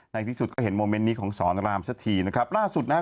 ที่สุดก็เห็นโมเมนต์นี้ของสอนรามสักทีนะครับล่าสุดนะฮะ